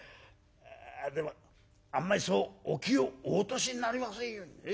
あでもあんまりそうお気をお落としになりませんように。